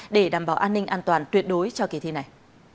để đảm bảo an ninh an toàn tuyệt đối cho kỳ thi này